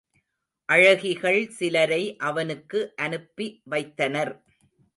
அழகிகள் சிலரை அவனுக்கு அனுப்பி வைத்தனர்.